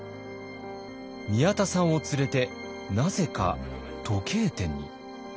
宮田さんを連れてなぜか時計店に。